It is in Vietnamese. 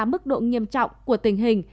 mức độ nghiêm trọng của tình hình